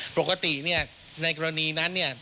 ปกติเนี่ยในกรณีนั้นเนี่ย